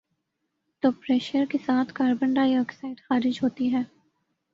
تو pressure کے ساتھ کاربن ڈائی آکسائیڈ خارج ہوتی ہے